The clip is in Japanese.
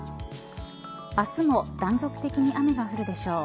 明日も断続的に雨が降るでしょう。